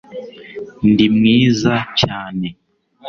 ndi mwiza cyane